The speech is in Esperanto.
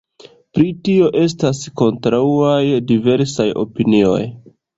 Pri tio estas kontraŭaj diversaj opinioj.